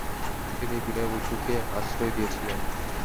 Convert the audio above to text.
তিনি বিনয় বসুকে আশ্রয় দিয়েছিলেন।